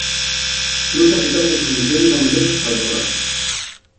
Nun s'afitaron les condiciones amañoses pa llogralo.